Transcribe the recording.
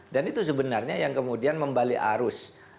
dan itu sebenarnya yang kemudian membalik arus